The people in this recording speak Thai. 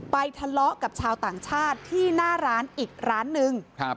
ทะเลาะกับชาวต่างชาติที่หน้าร้านอีกร้านนึง